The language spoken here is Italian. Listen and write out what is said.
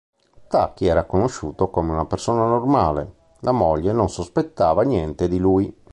Taki era conosciuto come una persona normale; la moglie non sospettava niente di lui.